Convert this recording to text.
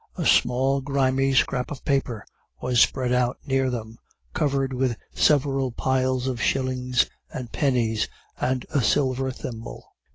A small grimy scrap of paper was spread out near them, covered with several piles of shillings and pennies, and a silver thimble.